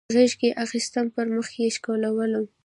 غیږ کې اخیستم پر مخ یې ښکلولم